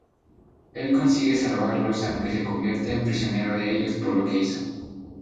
El consigue salvarlos aunque se convierte en prisionero de ellos por lo que hizo.